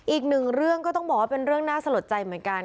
อีกหนึ่งเรื่องก็ต้องบอกว่าเป็นเรื่องน่าสลดใจเหมือนกัน